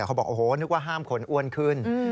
เขาบอกโอ้โหนึกว่าห้ามขนอ้วนขึ้น